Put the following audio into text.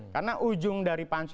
karena ujung dari pansus